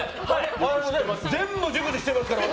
全部熟知してますから、私！